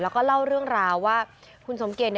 แล้วก็เล่าเรื่องราวว่าคุณสมเกต